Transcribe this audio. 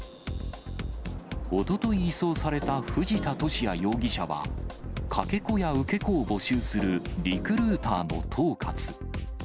おととい移送された藤田聖也容疑者は、かけ子や受け子を募集するリクルーターの統括。